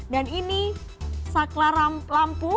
dan ini saklar lampu